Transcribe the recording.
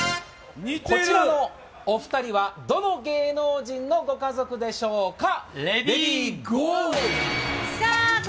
こちらのお二人はどの芸能人のご家族でしょうか。